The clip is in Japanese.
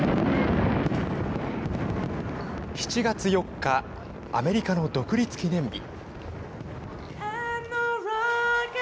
７月４日アメリカの独立記念日。